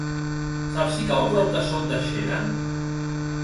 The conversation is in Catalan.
Saps si cau a prop de Sot de Xera?